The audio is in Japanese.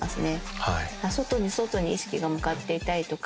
外に外に意識が向かっていたりとか。